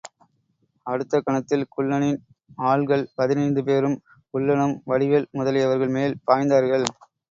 அடுத்த கணத்தில், குள்ளனின் ஆள்கள் பதினைந்து பேரும், குள்ளனும் வடிவேல் முதலியவர்கள் மேல் பாய்ந்தார்கள்.